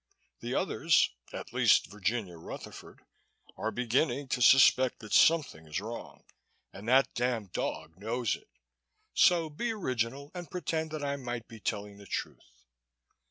The others at least Virginia Rutherford are beginning to suspect that something is wrong and that damned dog knows it. So be original and pretend that I might be telling the truth."